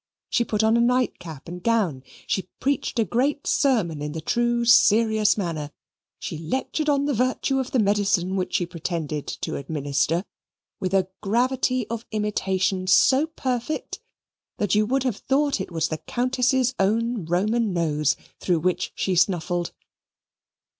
She put on a night cap and gown. She preached a great sermon in the true serious manner; she lectured on the virtue of the medicine which she pretended to administer, with a gravity of imitation so perfect that you would have thought it was the Countess's own Roman nose through which she snuffled.